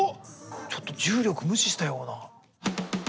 ちょっと重力無視したような。